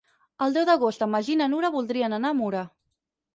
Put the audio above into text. El deu d'agost en Magí i na Nura voldrien anar a Mura.